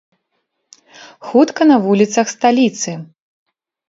Хутка на вуліцах сталіцы.